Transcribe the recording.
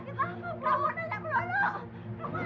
enggak pokoknya semua terserah bapak